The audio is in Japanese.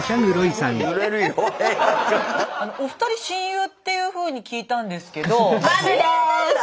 お二人親友っていうふうに聞いたんですけど。